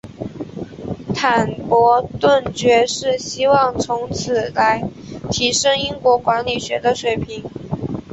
坦伯顿爵士希望以此来提升英国管理学的水平。